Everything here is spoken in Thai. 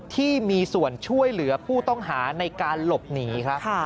ที่มีส่วนช่วยเหลือผู้ต้องหาในการหลบหนีครับ